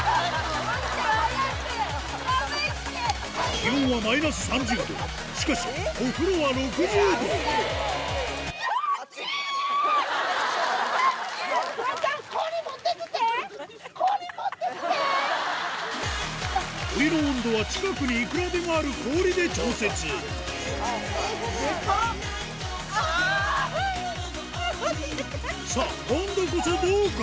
気温はマイナス３０度しかしお風呂は６０度お湯の温度は近くにいくらでもある氷で調節さぁ今度こそどうか？